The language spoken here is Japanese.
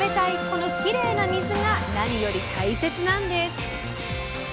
このきれいな水が何より大切なんです。